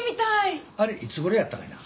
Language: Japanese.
あれいつごろやったかいな？